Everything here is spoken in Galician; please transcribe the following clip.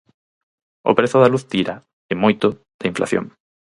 O prezo da luz tira, e moito, da inflación.